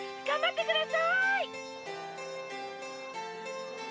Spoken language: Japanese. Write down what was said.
頑張って下さい！」。